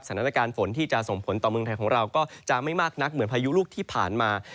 สถานการณ์ฝนที่จะส่งผลต่อเมืองไทยของเราก็จะไม่มากนักเหมือนพายุลูกที่ผ่านมา